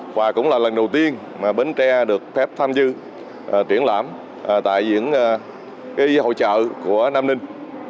và cũng là lần đầu tiên bến tre được phép tham dự triển lãm tại diễn hội trợ của nam ninh